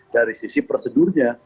dari sisi prosedurnya